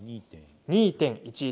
２．１１。